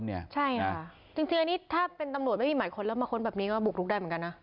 ใช่ค่ะจริงอันนี้ถ้าเป็นตำรวจไม่มีหมายค้นแล้วมาค้นแบบนี้ก็บุกรุกได้เหมือนกันนะ